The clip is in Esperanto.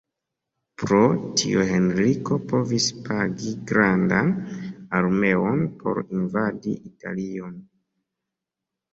Pro tio Henriko povis pagi grandan armeon por invadi Italion.